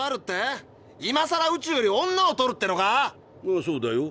今さら宇宙より女を取るってのか⁉ああそうだよ。